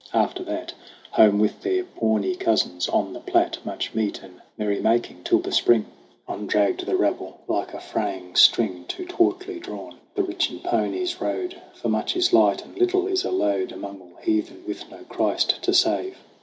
After that, Home with their Pawnee cousins on the Platte, Much meat and merry making till the Spring. 76 SONG OF HUGH GLASS On dragged the rabble like a fraying string Too tautly drawn. The rich in ponies rode, For much is light and little is a load Among all heathen with no Christ to save!